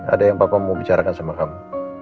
ada yang papa mau bicarakan sama kamu